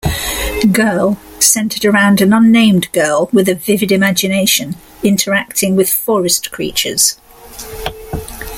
"Girl" centered around an unnamed girl with a vivid imagination interacting with forest creatures.